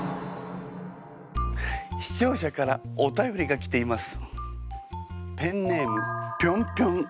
視聴者からお便りが来ています。